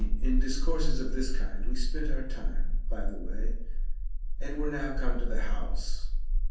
In discourses of this kind we spent our time by the way, and were now come to the house.